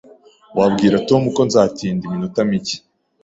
Wabwira Tom ko nzatinda iminota mike?